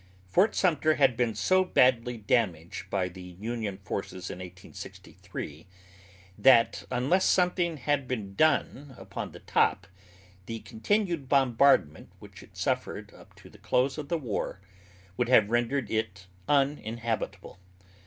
Fort Sumter had been so badly damaged by the Union forces in 1863, that unless something had been done upon the top, the continued bombardment which it suffered up to the close of the war, would have rendered it uninhabitable.